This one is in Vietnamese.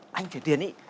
không chơi tiền ý